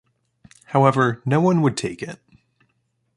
However, no one would take it.